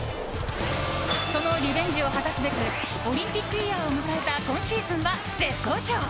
そのリベンジを果たすべくオリンピックイヤーを迎えた今シーズンは絶好調。